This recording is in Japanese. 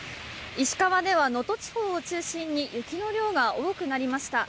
石川では能登地方を中心に、雪の量が多くなりました。